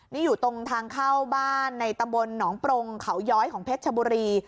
นี่อยู่ตรงทางเข้าบ้านในตำบลหนองปรงเขาย้อยของเพชรชบุรี